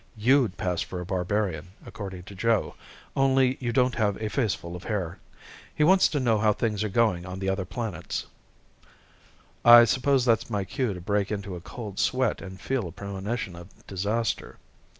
You'd pass for a barbarian, according to Joe, only you don't have a faceful of hair. He wants to know how things are going on the other planets." "I suppose that's my cue to break into a cold sweat and feel a premonition of disaster."